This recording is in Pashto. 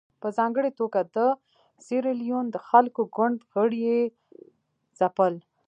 په ځانګړې توګه د سیریلیون د خلکو ګوند غړي یې ځپل.